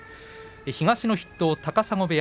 東の筆頭高砂部屋